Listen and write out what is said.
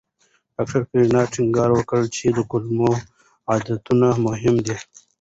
ډاکټر کرایان ټینګار وکړ چې د کولمو عادتونه مهم دي.